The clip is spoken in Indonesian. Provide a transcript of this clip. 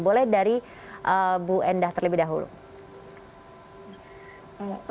boleh dari bu endah terlebih dahulu